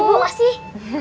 masih bu masih